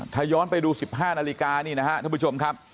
ถ้าย้อนไปดูสิบห้านาฬิกานี่นะฮะท่านผู้ชมครับ